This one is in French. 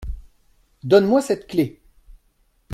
Donne-moi cette clé !